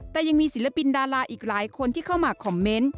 แต่ยังมีศิลปินดาราอีกหลายคนที่เข้ามาคอมเมนต์